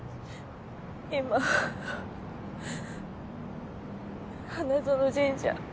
今花園神社。